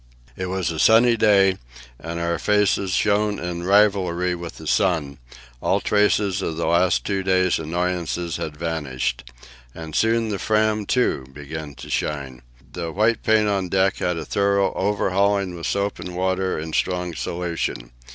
It was a sunny day, and our faces shone in rivalry with the sun; all trace of the last two days' annoyances had vanished. And soon the Fram, too, began to shine. The white paint on deck had a thorough overhauling with soap and water in strong solution.